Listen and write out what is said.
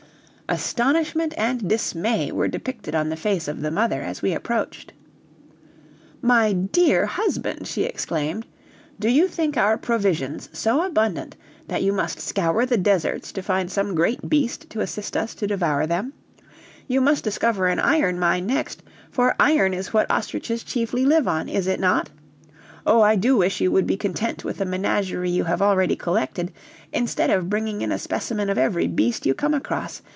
Astonishment and dismay were depicted on the face of the mother as we approached. "My dear husband," she exclaimed, "do you think our provisions so abundant that you must scour the deserts to find some great beast to assist us to devour them. You must discover an iron mine next, for iron is what ostriches chiefly live on, is it not? Oh! I do wish you would be content with the menagerie you have already collected, instead of bringing in a specimen of every beast you come across.